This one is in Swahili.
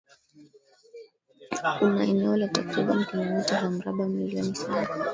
Una eneo la takribani kilomita za mraba milioni saba